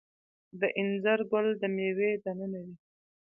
د انځر ګل د میوې دننه وي؟